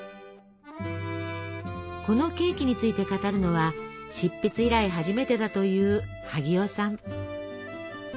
このケーキについて語るのは執筆以来初めてだという萩尾さん。